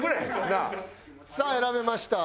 さあ選べました。